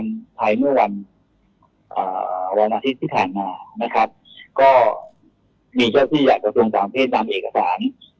มีเท่าที่อยากจะยอมทางเพชรตามเอกสาร